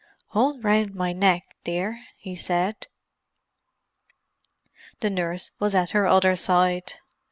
"Hold round my neck, dear," he said. The nurse was at her other side.